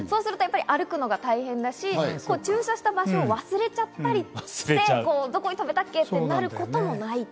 歩くのが大変だし、駐車した場所を忘れちゃったり、どこに停めたっけ？ってなることもない。